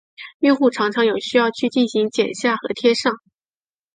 用户常常有需要去进行剪下和贴上。